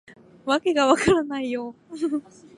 わけが分からないよ